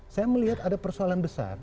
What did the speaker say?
saya melihat ada persoalan besar